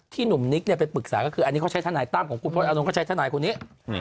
หนุ่มนิกไปปรึกษาก็คืออันนี้เขาใช้ทนายตั้มของคุณพลตอานนท์ก็ใช้ทนายคนนี้